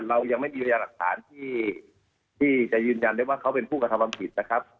เรายังไม่มีพยาหลักฐานที่จะยืนยันได้ว่าเขาเป็นผู้กระทำความผิดนะครับ